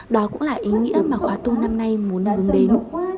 đó cũng là ý nghĩa mà khóa tu năm nay muốn hướng đến